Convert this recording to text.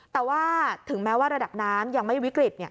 แต่ว่าถึงแม้ว่าระดับน้ำยังไม่วิกฤต